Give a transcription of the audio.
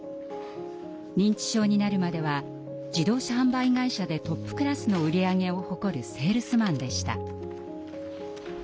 認知症になるまでは自動車販売会社でトップクラスの売り上げを誇るセールスマンでした。